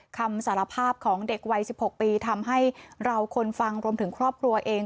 คำสารภาพของเด็กวัย๑๖ปีทำให้เราคนฟังรวมถึงครอบครัวเอง